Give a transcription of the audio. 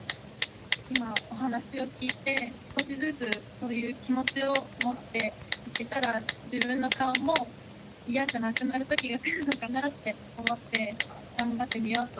今お話を聞いて少しずつそういう気持ちを持っていけたら自分の顔も嫌じゃなくなる時が来るのかなって思って頑張ってみようと思いました。